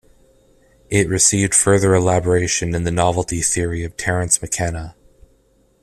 It received further elaboration in the Novelty theory of Terence McKenna.